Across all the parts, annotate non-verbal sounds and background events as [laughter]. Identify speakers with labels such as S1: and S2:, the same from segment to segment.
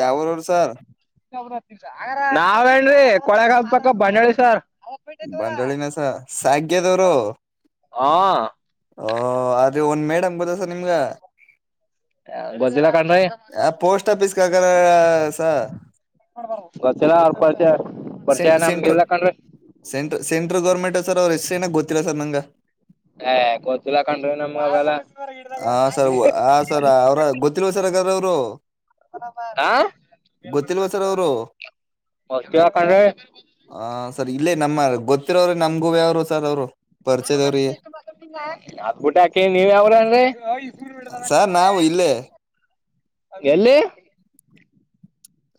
S1: ಯಾವರು ಅವರು ಸಾರ್
S2: ನಾವೇಏನ್ಕೊಳೆಗಂದ ಪಕ್ಕ ಬಂಡಳಿ ಸರ್
S1: ಬಂಡ್ರಳಿನಸ ಸಾಗ್ಯದವರು
S2: ಹ
S1: ಹ ಆದ್ರೆ ಒಂದ ಮೇಡಮ್ ಬದಸ ನಿಮ್ಗ
S2: ಗೊತ್ತಿಲ್ಲ ಕಣ್ರಿ
S1: ಯ ಪೋಸ್ಟ್ ಆಫಿಸ್ ಕಗ ಸರ್
S2: ಗೋತ್ತಿಲ್ಲ ಅಪ್ಪಾಜಿ
S1: ಸೆಂ ಸೆಂಟ್ರ ಸೆಂ ಸೆಂಟ್ರಲ್ ಗೌರ್ಮೆಂಟ್ ಸರ್ ಅವ್ರ ಎಸ್ ಏನ ಗೊತ್ತಿಲ್ಲ ಸರ್ ನಂಗ
S2: ಹೇ ಗೊತ್ತಿಲ್ಲ ಕಣ್ರಿ ನಮ್ಗ ಅವೆಲ್ಲ
S1: ಹ ಸರ್ ಆ ಸರ್ ಅವ್ರ ಗೊತ್ತಿಲ್ವ ಸರ್ ಹಾಗಾದ್ರ ಅವ್ರು
S2: ಹಾ
S1: ಗೊತ್ತಿಲ್ವ ಸರ್ ಅವ್ರು
S2: ಮಸ್ತಿವ ಕಣ್ರಿ
S1: ಆ ಸರ್ ಇಲ್ಲೇ ನಮ್ ಗೊತ್ತಿರೋರಿ ನಮ್ಗೂವೆ ಸರ್ ಅವ್ರು
S2: ಯಾನೋ ಮಾಡ್ತಿದೆ ಇಷ್ಟೋ [unintelligible] ಎ ಗುಡ್ಡೆ ಹಾಕ್ ಕೆ ನೀವ್ ಯಾವ್ ಉರ್ ಅನ್ರಿ
S1: ಸರ್ ನಾವು ಇಲ್ಲೇ
S2: ಎಲ್ಲಿ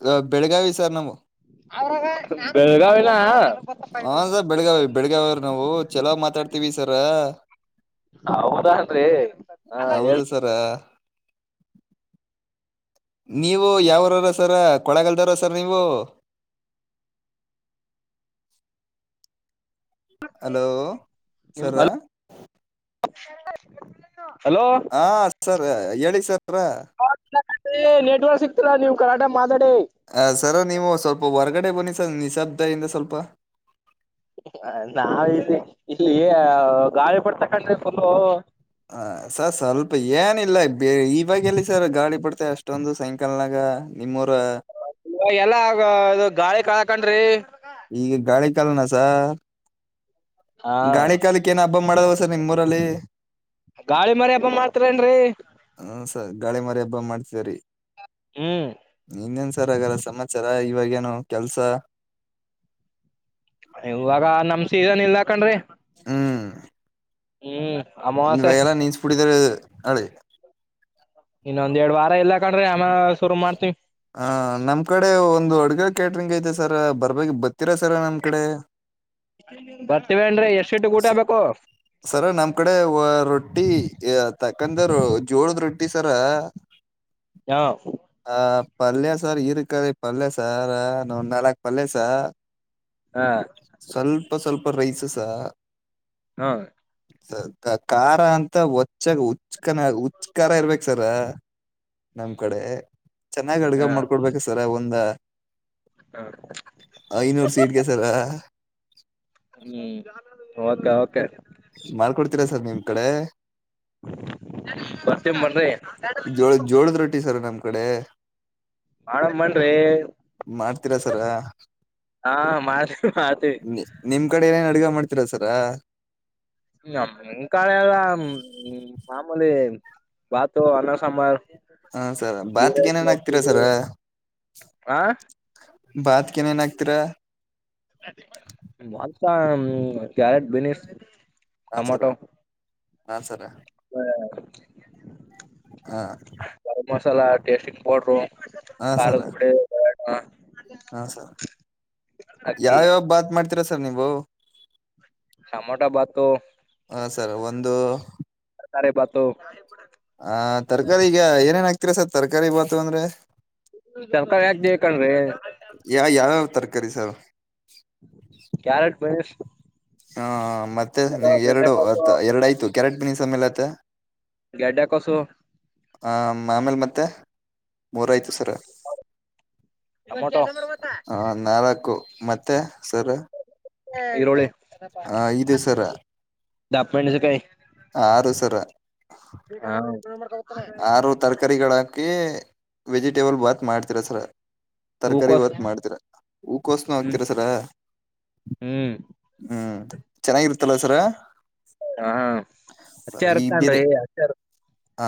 S1: ಗಾ ಬೆಳಗಾವಿ ಸರ್ ನಮ್
S2: [unintelligible] ಬೆಳ್ಗಾವಿನ
S1: ಹ ಸರ್ ಬೆಳಗಾವಿ ಬೆಳಗಾವಿಯವ್ರ ನಾವು ಚಲೋ ಮಾತಾಡ್ತಿವಿ ಸರ
S2: ಹೌದಾನ್ರಿ ಹ ಹೇಳ್
S1: ಹೌದು ಸರ ನೀವು ಯಾವರರ ಸರ ಕೊಳಗಲ್ದವಾರ ಸರ್ ನೀವು ಹಲೋ ಸರ
S2: [unintelligible]
S1: ಹ ಸರ್ ಹೇಳಿ ಸರ
S2: ನೆಟ್ವರ್ಕ್ ಸಿಗ್ತಿಲ್ಲಾ ನೀವು ಕರೆಕ್ಟಾಗಿ ಮಾತಾಡ್
S1: ಹ ಸರ್ ನೀವು ಸ್ವಲ್ಪ ಹೊರ್ಗಡೆ ಬನ್ನಿ ಸ ಅ ನಿಶಬ್ದ ಇಂದ ಸ್ವಲ್ಪ
S2: ನಾವ ಇಲ್ ಇಲ್ಲಿ ಗಾಳಿ ಬರ್ತಾ ಇತ್ ಕಂಡ್ರಿ ಫುಲ್ಲು
S1: ಹ ಸರ್ ಸ್ವಲ್ಪ ಇ ಏನಿಲ್ಲ ಬೆ ಇವಾಗ್ ಎಲ್ಲಿ ಸರ್ ಗಾಳಿ ಬಿಡ್ತೆ ಅಷ್ಟೊಂದು ಸೈಂಕಲ್ನಾಗ ನಿಮ್
S2: ಎಲ್ಲ ಆ ಅದು ಗಾಳಿ ಕಾಳ ಕಣ್ರೀ
S1: ಈಗ ಗಾಳಿ ಕಾಲನ ಸರ್
S2: ಹಾ
S1: ಗಾಳಿ ಕಾಲಕ್ಕೆ ಏನಪ್ ಹಬ್ಬ ಮಾಡಲ್ವಾ ಸರ್ ನಿಮ್ಮ ಊರಲ್ಲಿ
S2: ಗಾಳಿ ಮರಿ ಹಬ ಮಾಡ್ತರೇನ್ರಿ
S1: ಬ್ಬ ಮಾಡ್ತೀರಿ
S2: ಹ್ಮ್
S1: ಇನ್ನೇನ್ ಸರ್ ಆಗಲ್ಲ ಸಮಾಚಾರ ಇವಾಗೇನು ಕೆಲ್ಸ
S2: ಇವಾಗ ನಮ್ ಸೀಸನ್ ಇಲ್ಲಾಕಂಡ್ರಿ
S1: ಹ್ಮ್
S2: ಹ್ಮ್ ಅಮಾವಾಸ್ಯೆ
S1: ಇವೆಲ್ಲ ನೀನ್ ಕುಡತರು ನಳೆ
S2: ಇನ್ನೊಂದ್ ಎರಡ್ ವಾರ ಇಲ್ಲಾ ಕಂಡ್ರೆ ಆ
S1: ಹ ನಮ್ ಕಡೆ ಒಂದು ಹಡುಗ ಕ್ಯಾಟ್ರಿಂಗ್ ಐತೆ ಸರ್ ಬರ್ಬೇಕ ಬರ್ತೀರಾ ಸರ ನಮ್ಮ್ ಕಡೆ
S2: ಬರ್ತೀವನ್ರಿ ಎಷ್ಟು ಗಂಟೆಗೆ ಊಟ ಬೇಕು
S1: ಯ ತಕಂದರು ಜೋಳದ ರೊಟ್ಟಿ ಸರ್
S2: ಹಾ
S1: ಹ ಪಲ್ಯ ಸರ್ ಇರ್ಕರಿ ಪಲ್ಯ ಸಾರ್ ನೊ ನಾಲ್ಕ್ ಪಲ್ಯಸಾರ್
S2: ಹಾ
S1: ಸ್ವಲ್ಪ ಸ್ವಲ್ಪ ಸರ್ ರೈಸಸ್ [unintelligible]
S2: ಹಾ
S1: ಖಾರ ಅಂತ ಒಚ್ಚಾಗ ಹುಚ್ಕನ ಹುಚ್ ಖಾರ ಇರ್ಬೇಕ ಸರ ನಮ್ ಕಡೆ ಚೆನ್ನಾಗ್ ಅಡ್ಗ ಮಾಡ್ಕೊಡ್ಬೇಕ ಸರ ಅವ ಒ ಅಂದ
S2: ಹಾ
S1: ಐನೂರು ಸೀಟ್ಗೆಸರ [inaudible]
S2: ಹ್ಮ್ ಹೊದ ಗಾವ ಕೆ [unintelligible]
S1: ಮಾಡ್ಕೊಡ್ತೀರಾ ಸರ್ ನಿಮ್ ಕಡೆ
S2: ಬರ್ತೀನ್ ಬನ್ರಿ
S1: ಜೋಳ ಜೋಳದ ರೊಟ್ಟಿ ಸರ್ ನಮ್ ಕಡೆ
S2: ಮಾಡಳ ಮನ್ ರ
S1: ಮಾಡ್ತೀರಾ ಸರ
S2: ಹಾ ಮಾಡತಿವಿ ಮಾಡತಿವಿ
S1: ಸರಾ
S2: ನಿಮ್ಮ್ ಕಡೆಯಲ್ಲ ಮಾಮೂಲಿ ಬಾತು ಅನ್ನಸಂಬಾರ್
S1: ಹಾ ಸರ ಬಾತಿಗೆ ಏನೇನ್ ಹಾಕ್ತಿರಾ ಸರ
S2: ಆ
S1: ಬಾತ್ಗೆನ್ ಆಕ್ತೀರಾ
S2: ಮಾ ಕ್ಯಾರೆಟ್ ಬ
S1: ಹಾ ಸರ
S2: ಟಮಾಟೋಸ್
S1: ಹಾ ಸರ ಹ
S2: ಸಲಾ ಟೆಸ್ಟಿಂಗ್ ಪೌಡರ್
S1: ಹಾ ಸರ
S2: ಖಾರದ ಪುಡಿ
S1: ಯಾವ
S2: ಅಕ್ಕಿ
S1: ಯಾವ ಬಾತ್ ಮಾಡ್ತಿರ ನೀ ಬೌ
S2: ಟೊಮೋಟಾ ಬಾತು
S1: ಹ ಸರ್ ಒಂದು
S2: ಸಾರೆ ಬತ
S1: ಹ ತರಕಾರಿಗೆ ಏನೇನ್ ಆಕ್ತಿ ಸರ್ ತರಕಾರಿ ಬಾತು ಅಂದ್ರೆ
S2: ತರಕಾರಿ ಯಾಕಕಣ ರೀ
S1: ಯಾ ಯಾವ್ಯಾವ ತರಕಾರಿ ಸರ್
S2: ಕ್ಯಾರೆಟ್ ಬೇಸ್
S1: ಹ ಮತ್ತೆ ನೀವು ಎರಡು ಅ
S2: ಗೆಡ್ಡೆಕೋಸು
S1: ಎರಡ ಆಯ್ತು ಕೆರೆಟ್ ನ ಸಮಯಲತ
S2: ಗಾಡ್ಯ ಕಸೋ
S1: ಹ ಆಮೇಲೆ ಮತ್ತೆ ಮೂರಾಯ್ತು ಸರ
S2: ಟೊಮೊಟೊ
S1: ಹ ನಾಲ್ಕ [unintelligible] ಮತ್ತೆ ಸರ್
S2: ಈರುಳಿ
S1: ಹ ಐದು ಸರ
S2: ದಾಪ ಮೆನ್ಸಿ ಕಾಯ
S1: ಆರು ಸರ
S2: ಹಾ
S1: ಆರು ತರಕಾರಿಗಳ ಹಾಕಿ ವೆಜಿಟೇಬಲ್ ಭಾತ್ ಮಾಡ್ತಿರ ತಸರ ತರಕಾರಿ
S2: ಹೂಕೋಸು
S1: ಹೊತ್ ಮಾಡ್ತೀರ ಹೂಕೋಸ್ನ
S2: ಹ್ಮ್
S1: ಹಾಕ್ತಿರ ಸರ
S2: ಹ್ಮ್
S1: ಹ್ಮ್ ಚೆನ್ನಾಗಿರ್ತ [unintelligible] ತ್ತಲಸರ
S2: ಹಾ ಹಚ್ಚ ಇರ್ತನ್ರಿ ಹಚ್ಚ
S1: ಹಾ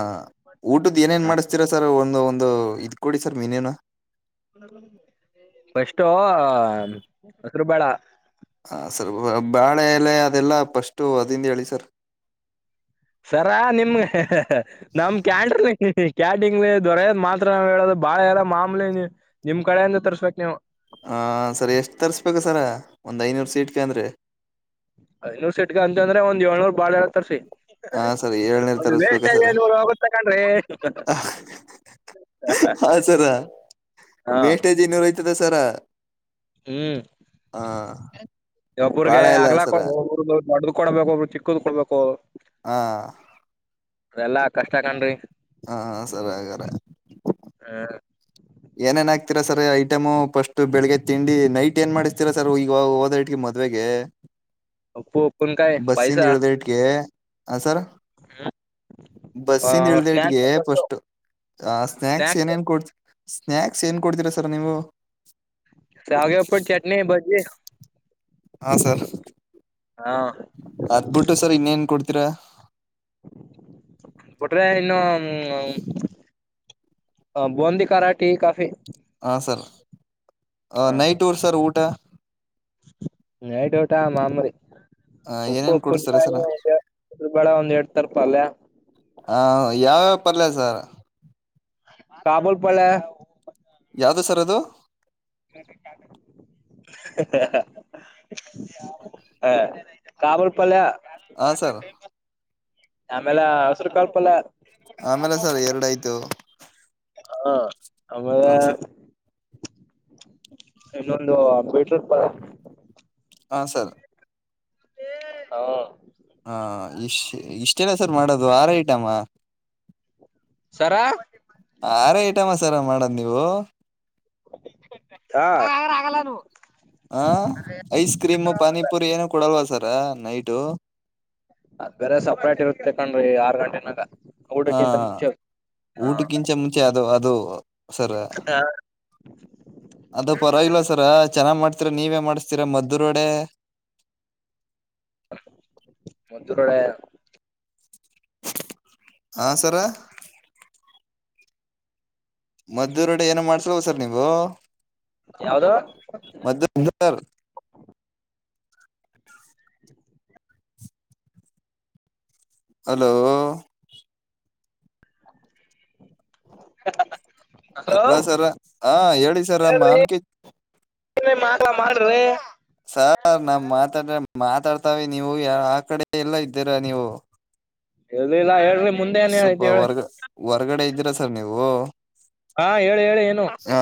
S1: ಊಟದ ಏನೇನ್ ಮಾಡ್ತೀರಾ ಸರ್ ಒಂದು ಒ ಒಂದು ಇದ ಕೊಡಿ ಸರ್ ಮೀನೇನು
S2: ಫಸ್ಟು ಹೆಸರು ಬೆಳೆ
S1: ಹ ಸ್ವಲ್ಪ ಬಾಳೆ ಲೆ ಅದೆಲ್ಲ ಫಸ್ಟು ಅದಿಂದ ಹೇಳಿ ಸರ್
S2: ಸರಾ ನಿಮ ಹಹ [unintelligible] ನಮ ಕ್ಯಾಂಡ್ರನ ಕ್ಯಾಟಿಂಗ್ಲಿ ದೊರೆಯೋದ ಮಾತ್ರ ನಾವ್ ಹೇಳೋದು ಬಾಳ ಎಲ್ಲ ಮಾಮೂಲಿ ನೀಮ್ ಕಡೆಯಿಂದ ತರ್ಸ್ಬೇಕಕ್ ನೀವು
S1: ಹ ಸರ್ ಎಷ್ಟು ತರ್ಸ್ಬೇಕ ಸರ ಒಂದ್ ಐನೂರು ಸೀಟ್ಗೆ ಅಂದ್ರೆ
S2: ಐನೂರ್ ಸೆಟ್ಗ ಅಂತ ಅಂದ್ರೆ ಒಂದ್ ಏಳ್ನೂರ್ ಬಾಳ ಎಲೆ ತರ್ಸಿ
S1: ಹಾ ಸರ್ ಏಳ್ನೇರ್
S2: ಒಂದು
S1: ತರಸ್ಬೇಕ
S2: ವೇಸ್ಟೇಜ್
S1: ಸರ
S2: ಐನೂರ್ ಹೋಗುತ್ತ ಕಣ್ರೀ
S1: ಹ ಸರ
S2: ಹಾ
S1: ಮೇಷ್ಟಾಜಿ ನೂರುಐ್ತದ ಸರ
S2: ಹ್ಮ್
S1: ಹ
S2: ಒಬರ್ಗೆ
S1: ಬಾಳೆ ಎಲೆ
S2: ಆಗ್ಲಾಕ್ಕ
S1: ಸರ
S2: ಒ ಮಾಡ ಕೊಡ್ಬೇಕು ಅವರು ಚಿಕ್ಕ್ ಕೊಡ್ಬೇಕು ಅವರು
S1: ಹಾ
S2: ಎಲ್ಲಾ ಕಷ್ಟ ಕಣ್ರಿ
S1: ಹಾ ಸರಿ ಹಂಗಾರೆ
S2: ಹ್ಮ
S1: ಏನೇನ್ ಆಕ್ತೀರಾ ಸರ್ ಐಟಮು ಫಸ್ಟ್ ಬೆಳಿಗ್ಗೆ ತಿಂಡಿ ನೈಟ್ ಏನ್ ಮಾಡ್ತೀರಾ ಸರ್ ಈಗ ಹಓದ ಇಟ್ಗೆ ಮದ್ವೆಗೆ
S2: ಉಪ್ಪು ಉಪ್ಪನ್ಕಾಯಿ ಪಾಯ್ಸ
S1: ಬಸ್ಸಿಂದ ಇಳ್ದ ಇಟ್ಗೆ ಹ ಸರ್
S2: ಆ
S1: ಬಸ್ಸಿಂದ ಇಳ್ದ ಇಟ್ಗೆ
S2: ಸ್ನಾಕ್ಸ್
S1: ಫಸ್ಟ್ ಆ ಸ್ನ್ಯಕ್ಸ್
S2: ಸ್ನಾಕ್ಸ್
S1: ಏನೇನ್ ಕೊಡ್ತ ಸ್ನಾಯಕ್ಸ್ ಏನ್ ಕೊಡ್ತೀರಾ ಸರ ನೀವ
S2: ಶಾವಿಗೆ ಉಪಿಟ್ ಚಟ್ನ ಬಾಜಿ
S1: ಹಾ ಸರ್ ಅದಬಿಟ್ಟು ಸರ್ ಇನ್ನೇನ್ ಕೊಡ್ತ ತ್ರ [unintelligible]
S2: ಕೊಟ್ರ ಇನ್ನೊ ಹ್ಮ್ ಹ ಬುಂದಿಖಾರ ಕಾಟಿ ಕಾಫಿ
S1: ಹ ಸರ್ ಆ ನೈಟ್ ಊರ್ ಸರ್ ಊಟ
S2: ನೈಟ್ ಊಟ ಮಾಮೂಲಿ ಉಪ್ಪು
S1: ಏನೇನ್ ಕೊಡಿಸ್ತಾರೆ ಸರ್
S2: ಉಪ್ಪುಂಕಾಯಿ
S1: ಆ
S2: ಒಂದ್ ಎಡ್ ತರ ಪಲ್ಯ
S1: ಪರ್ಲ ಸರ್
S2: ಕಬಲ್ ಪಲ್ಯ
S1: ಯಾವ್ದು ಸರ್ ಅದು
S2: ಹ ಕಾಬುಲ್ ಪಲ್
S1: ಹಾ
S2: ಮಾತ
S1: ಸರ್
S2: ರೈಮ [unintelligible] ಆಮೇಲೆ ಹಸರುಕಾಳ್ ಪಲ್ಯ
S1: ಆಮೇಲೆ ಸರ್ ಎರಡಯ್ತು
S2: ಹಾ ಅಮಲೆ
S1: ಸರ್
S2: ಇನ್ನೊಂದು ಬಿಟ್ ಪಲ್ಯಾ
S1: ಹ ಸರ್
S2: ಹಾ
S1: ಹಾ ಇಷ್ಟ್ ಇಷ್ಟೆಲ್ಲ ಸರ್ ಮಾಡೋದು ಆರ ಐಟಮ
S2: ಸರಾ
S1: ಆರೇ ಐಟಮ್ಸರ ಮಾಡದು ನೀವು
S2: [unintelligible] ಗ ರಗಲ್ಲ
S1: ಹ ಐಸ್ ಕ್ರೀಮು ಪಾನಿಪುರಿ ಏನು ಕೊಡಲ್ವ ಸರ್ ನೈಟು
S2: ಅದ್ ಬೇರೆ ಸಪ್ರೇಟ್ ಇರುತ್ತೆ ಕಣ್ಡ್ರಿ ಆರು ಗಂಟೆನಾಗ
S1: ಹ
S2: ಊಟಕ್ಕಿಂತ ಮುಂಚೆ ಹಾ
S1: ಊಟಕ್ಕಿಂಚೆ ಮುಂಚೆ ಅದು ಅದು ಹ ಸರ ಅದು ಪರವಾಗಿಲ್ಲ ಸರ ಚೆನ್ನಾಗ್ ಮಾಡ ಹತ್ರ ನೀವೇ ಮಾಡಿಸ್ತೀರ ಮದ್ದುರೋಡೆ
S2: ಮದ್ದೂರ್ ವಡೆ
S1: ಹಾ ಸರ ಮದ್ದೂರ್ ವಡೆ ಏನು ಮಾಡ್ಸಲ್ವ ಸರ್ ನೀವು
S2: ಯಾವ್ದು?
S1: ಹ. [unintelligible] ಹಲೋ.
S2: [unintelligible] ಹಲೋ
S1: ಅಲ್ಲ ಸರ, ಹ ಹೇಳಿ ಸರ ಮಾನ್ಕಿ
S2: [unintelligible] ಮಾಡ್ರಿ.
S1: ಸಾರ್ ನಮ್ ಮಾತಾಡ್. ಮಾತಾಡ್ತಾವಿ ನೀವು ಆ ಕಡೆ ಎಲ್ಲೊ ಇದ್ದೀರಾ ನೀವು.
S2: ಎಲ್ಲು ಇಲ್ಲ ಹೇಳ್ [unintelligible] ಮುಂದೆ ಏನ್
S1: ಸ್ವಲ್ಪ
S2: ಹೇಳಿದ್ ಹೇಳ್
S1: ಹೊರ್ಗ ಹೊರ್ಗಡೆ ಇದೀರಾ ಸರ್ ನೀವು.
S2: ಹಾ ಹೇಳಿ ಹೇಳಿ ಏನು.
S1: ಹಾ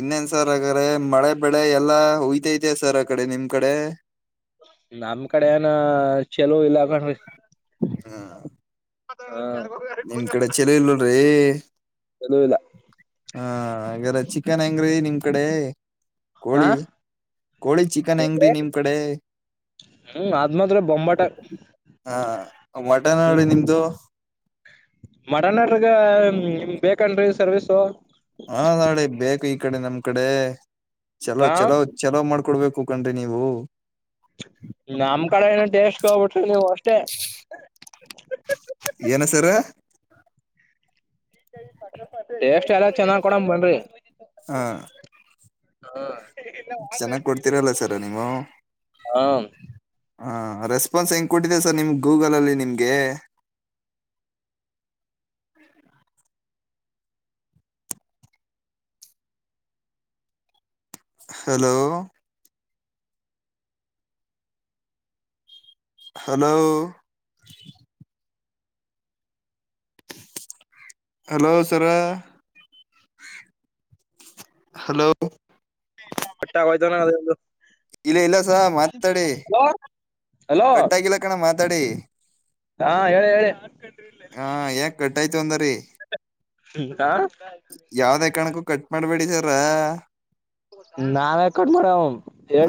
S1: ಇನ್ನೇನ್ ಸರ್ ಹಾಗಾರೆ, ಮಳೆ ಬೆಳೆ ಎಲ್ಲಾ ಉಯ್ತಾಇದಿಯ ಸರ್ ಆ ಕಡೆ ನಿಮ್ ಕಡೆ.
S2: ನಮ್ ಕಡೆ ಏನ ಚಲೋ ಇಲ್ಲ ಕಣ್ರಿ
S1: ಹಾ.
S2: ಹ [unintelligible]
S1: ನಿಮ್ ಕಡೆ ಚೆಲೋ ಇಲ್ರರಿ [unintelligible] ಎ.
S2: ಚಲೋ ಇಲ್ಲ
S1: ಹಾ ಅಂಗಾರೆ ಚಿಕನ್ ಹೆಂಗ್ರೀ ನಿಮ್ ಕಡೆ.
S2: ಹಾ
S1: ಕೋಳಿ ಕೋಳಿ ಚಿಕನ್ ಹೆಂಗ್ರೀ ನಿಮ್ ಕಡೆ,
S2: ಹ್ಮ್ ಅದ್ ಮಾತ್ರ ಬೊಂಬಾಟ
S1: ಹ ಮಟನ್ ಅಂಗ್ಡಿ ನಿಮ್ದು.
S2: ಮಟನ್ ಆರ್ಡರಿಗ ನಿಮಿಗ್ ಬೇಕೇನ್ರಿ ಸರ್ವೀಸು.
S1: ಹಾ ನಾಳೆ ಬೇಕು ಈ ಕಡೆ ನಮ್ ಕಡೆ. ಚಲೋ
S2: ಹಾ
S1: ಚಲೋ ಚಲೋ ಮಾ ಕೊಡ್ಬೇಕು ಕಂಡ್ರಿ ನೀವು.
S2: ನಮ್ ಕಡೆ ಏನನ್ ಟೆಸ್ಟ್ ನೋಡ್ಬುಟ್ರೆ ನೀವ್ ಅಷ್ಟೇ.
S1: ಏನ ಸರ
S2: ಟೇಸ್ಟ್ ಎಲ್ಲ ಚೆನ್ನಾಗ್ ಕೊಡಮ್ ಬನ್ರೀ.
S1: ಹ.
S2: ಹಾ.
S1: ಚೆನ್ನಾಗ್ ಕೊಡ್ತೀರಲ್ಲ ಸರ ನೀವು.
S2: ಹಾ
S1: ಹಾ ರೆಸ್ಪಾನ್ಸ್ ಹೆಂಗ್ ಕೊಟ್ಟಿದೆ ಸರ್ ನಿಮ್ ಗೂಗಲ್ಲಲ್ಲಿ ನಿಮ್ಗೆ. Hello. Hello. Hello sir. Hello.
S2: ಕಟ್ಟಗೋಯ್ತ್ ಏನ ಅದು [unintelligible]
S1: ಇಲ್ಲ ಇಲ್ಲ ಸ ಮಾತಾಡಿ
S2: ಹಲೋ
S1: ಕಟ್ಟಾಗಿಲ್ಲ ಕಣ ಮಾತಾಡಿ.
S2: ಹಾ ಹೇಳಿ ಹೇಳಿ.
S1: ಹಾ ಏಂಗ್ ಕಟ್ಟಾಯ್ತು ಅಂದರಿ.
S2: [unintelligible]
S1: ಯಾವದೇ ಕಾರಣಕ್ಕೂ ಕಟ್ ಮಾಡ್ಬೇಡಿ ಸರ
S2: ನಾವ್ ಯಾಕ್ ಕಟ್ ಮಾಡವ್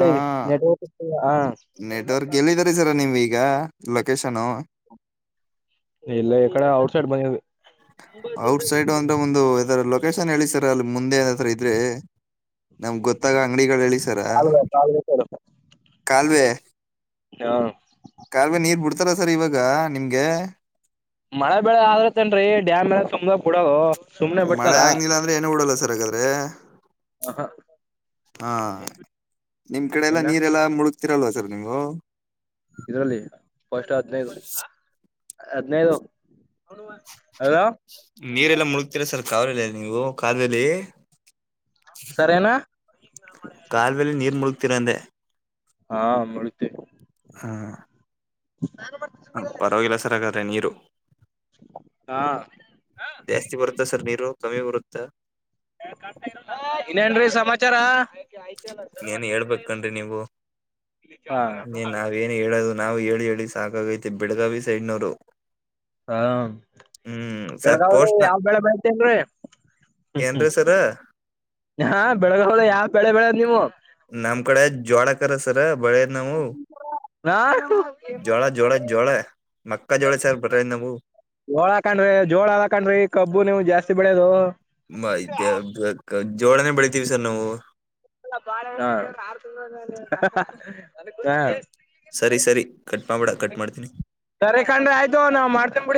S1: ಹ
S2: ನೆಟ್ವರ್ಕ್. ಇಲ್ಲ ಹಾ
S1: ನೆಟ್ವರ್ಕ್ ಎಲ್ಲಿದಾರ ಸರ ನಿಮ್ ಈಗ ಲೊಕೇಶನ್
S2: ಇಲ್ಲ ಎಕಡೆ ಔಟ್ ಸೈಡ್ ಮನೆ
S1: ಔಟ್ ಸೈಡ್ ಅಂದ್ರೆ ಒಂದು ಯರ ಲೊಕೇಶನ್ ಹೇಳಿ ಸರ್ ಅಲ್ಲಿ ಮುಂದೆ ಏನತ್ರರ ಇದ್ರೆ ನಮ್ಗ್ ಗೊತ್ತಾಗ ಅಂಗಡಿಗಳು ಹೇಳಿ ಸರ ಕಾಲವೆ
S2: ಹಾ
S1: ಕಾಲುವ ನೀರ್ ಬಿಡ್ತಾರ ಸರ್ ಇವಾಗ ನಿಮ್ಗೆ
S2: ಮಳೆ ಬೆಳೆ ಆದ್ರತೇನ್ರೀ ಡ್ಯಾಮ್ ಎಲ್ಲ ತುಂಬ್ದ ಕು ಬಿಡೋದು. ಸುಮ್ನೆ
S1: ಮಳೆ
S2: ಬಿಡ್ತಾರ
S1: ಆಗ್ಲಿಲ್ಲ ಅಂದ್ರೆ ಏನ ಹಡಲ್ಲ ಸರ್ ಬಗಾದ್ರೆ
S2: ಹ ಹಾ
S1: ಹಾ ನಿಮ್ ಕಡೆ ಎಲ್ಲ
S2: ಏನ
S1: ನೀರೆಲ್ಲಾ ಮುಳು ತಿರಲ ನೀವು
S2: ಇದ್ರಲ್ಲಿ ಸ್ ಹದ್ಿನೈದು ಹದ್ಿನೈದು
S1: ನೀರೆಲ್ಲ ಮುಳುಗ್ತಿೀರ ಸರ್ ಕ್ರಲ್ಲ ನೀವು ಕಾದದಲ್ಲಿ
S2: ಸರೇನಾ
S1: ಕಾಲುವಲ್ಲಿ ನೀರ್ ಮುಳಗ್ತಿರಂದೆ
S2: ಹಾ ಮಾಡತ
S1: ಹ್ಮ ಹ ಪರವಾಗಿಲ್ಲ ಸರಗಾದೆ ನೀರು
S2: ಹಾ
S1: ಜಾಸ್ತಿ ಬರುತ್ತಾ ಸರ್ ನೀರು ಕಮ್ಮಿ ಬರುತ್ತಾ
S2: ಇನ್ನೇನ್ೀ ಸಮಾಚಾರ
S1: ಏನ್ ಹೇಳ್ಬೇಕನ್ಿ ನೀವು
S2: ಹಾ
S1: ನೀನ್ ನಾವೇಏನು ಹೇಳದು ನಾವು ಹೇಳಿ ಹೇಳಿ ಸಾಕಾಗ ತ್ತ ಬೆಳಗಾವಿ ಸೈಡ್ನವರು
S2: ಹಾ
S1: ಹ್ಮ್ ಸರ್
S2: ಬೆಳಗಾವಳಿ
S1: ಪೋಸ್ಟ್ ನ
S2: ಯಾವ ಬೆಳೆ ಬೆಳತೇನ್ರಿ
S1: ಏನ್ರೀ ಸರ
S2: ಹ ಬೆಳಗಾವಳ ಯಾವ ಬೆಳೆ ಬೆಳ
S1: ನಾಮಕಡೇ ಜೋಳ ಸರ ಬೆಳೆದ್ ನಾವು
S2: ಹ
S1: ಜೋಳ ಜೋಳ ಜೋಳ ಮಕ್ಕ ಜೋಳ ಸರ್ ಬರ ನಾವು
S2: ಜೋಳ ಹಾಕಂಡ್ರಿ ಜೋಳ ಹಕಂಡ್ರಿ ಕಬ್ಬು ನೀವು ಜಾಸ್ತಿ ಬೆಳಿಯೋದು
S1: [unintelligible] ಜೋಳನೆ ಬೆಳಿತೀವಿ ಸರ್ ನಾವು
S2: ಬಾರ್ [unintelligible]
S1: ಸರಿ ಸರಿ ಕಟ್ ಮಾಡ್ಬೇಡ ಕಟ್ ಮಾಡ್ತೀನಿ
S2: ಸರಿಕಂಡ್ರೆ ಆಯ್ತು ನಾ ಮಾಡ್ತ ಬಿಡಿ